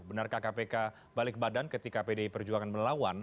benarkah kpk balik badan ketika pdi perjuangan melawan